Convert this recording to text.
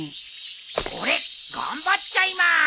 俺頑張っちゃいます！